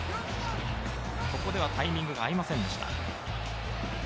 ここではタイミングが合いませんでした。